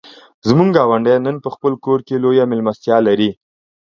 زموږ ګاونډی نن په خپل کور کې لویه مېلمستیا لري.